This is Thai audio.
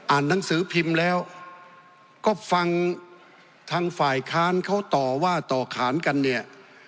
หนังสือพิมพ์แล้วก็ฟังทางฝ่ายค้านเขาต่อว่าต่อขานกันเนี่ย